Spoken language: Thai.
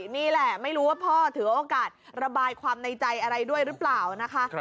นี่แหละไม่รู้ว่าพ่อถือโอกาสระบายความในใจอะไรด้วยหรือเปล่านะคะ